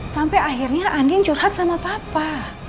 sampai akhirnya andin curhat sama papa